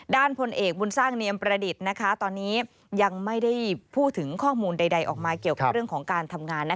พลเอกบุญสร้างเนียมประดิษฐ์ตอนนี้ยังไม่ได้พูดถึงข้อมูลใดออกมาเกี่ยวกับเรื่องของการทำงาน